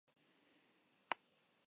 Debido a esta, Carl lo deja ir.